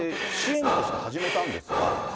支援として始めたんですが。